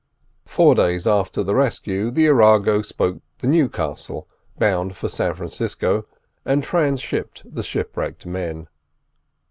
Four days after the rescue the Arago spoke the Newcastle, bound for San Francisco, and transhipped the shipwrecked men.